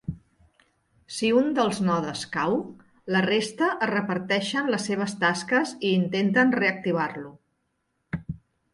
Si un dels nodes cau, la resta es reparteixen les seves tasques i intenten reactivar-lo.